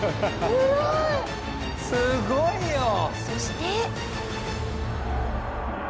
そして。